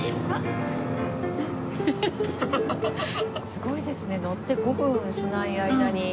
すごいですね乗って５分しない間に。